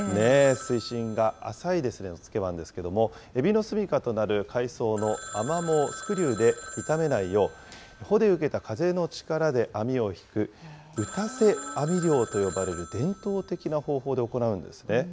水深が浅い野付湾ですけれども、エビの住みかとなる海草のアマモをスクリューで傷めないよう、帆で受けた風の力で網を引く、打瀬網漁と呼ばれる伝統的な方法で行うんですね。